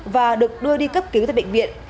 và được đưa đi cấp cứu tại bệnh viện